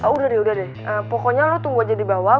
udah deh udah deh pokoknya lo tunggu aja di bawah